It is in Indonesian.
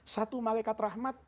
satu malaikat rahmat